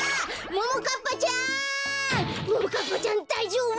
ももかっぱちゃんだいじょうぶ？